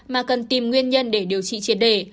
mà cần tìm nguyên nhân để điều trị triệt đề